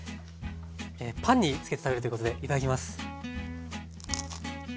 パンにつけて食べるということでいただきます。